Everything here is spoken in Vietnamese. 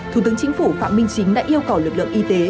thủ tướng chính phủ phạm minh chính đã yêu cầu lực lượng y tế